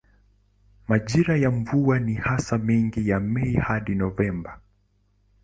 Majira ya mvua ni hasa miezi ya Mei hadi Novemba.